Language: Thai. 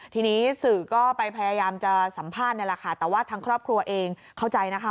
ทีนี้สื่อก็ไปพยายามจะสัมภาษณ์นี่แหละค่ะแต่ว่าทางครอบครัวเองเข้าใจนะคะ